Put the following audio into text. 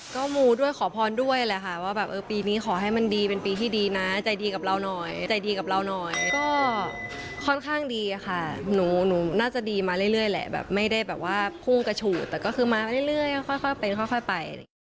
ก็มูด้วยขอพรด้วยแหละค่ะว่าแบบเออปีนี้ขอให้มันดีเป็นปีที่ดีนะใจดีกับเราหน่อยใจดีกับเราหน่อยก็ค่อนข้างดีค่ะหนูน่าจะดีมาเรื่อยแหละแบบไม่ได้แบบว่าพุ่งกระฉูดแต่ก็คือมาเรื่อยค่อยเป็นค่อยไปอะไรอย่างนี้